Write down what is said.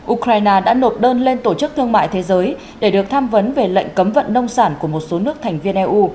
ukraine đã nộp đơn lên tổ chức thương mại thế giới để được tham vấn về lệnh cấm vận nông sản của một số nước thành viên eu